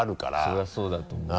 それはそうだと思う。